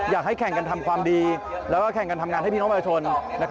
อยากให้แข่งกันทำความดีแล้วก็แข่งกันทำงานให้พี่น้องประชาชน